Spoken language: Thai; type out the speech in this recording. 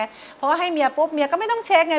เพราะว่าให้เมียปุ๊บเมียก็ไม่ต้องเช็คไง